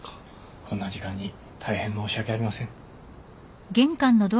こんな時間に大変申し訳ありません。